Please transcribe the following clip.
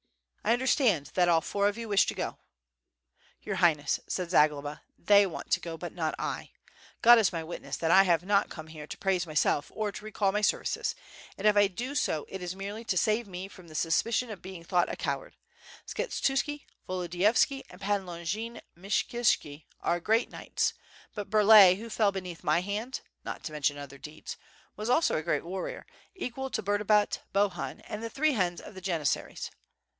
"I understand that alL four of you wish to go." "Your Highness," said Zagloba, "they want to go, but not 1. God is my witness that I have not come here to praise myself or to recall my services, and if I do so it is merely to save me from the suspicion of being thouorht a coward. Skshetuski, Volodiyovski, and Pan Longin Myshy kishki are great knights, but Burlay, who fell beneath my hand (not to mention other deeds )was also a great warrior, equal to Burdabut, Bohun, and the three heads of the janis saries.